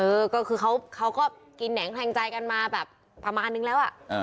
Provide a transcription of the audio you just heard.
เออก็คือเขาก็กินแหนงแทงใจกันมาแบบประมาณนึงแล้วอ่ะ